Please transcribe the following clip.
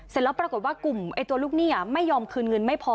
เสร็จแล้วปรากฏว่ากลุ่มตัวลูกหนี้ไม่ยอมคืนเงินไม่พอ